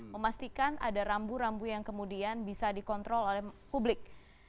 memastikan ada rambu rambu yang kemudian bisa dikontrol oleh publik